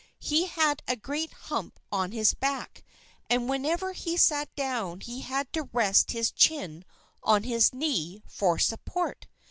He had a great hump on his back, and whenever he sat down he had to rest his chin on his knee for support.